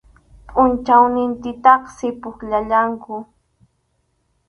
Pʼunchawnintintaqsi pukllallanku.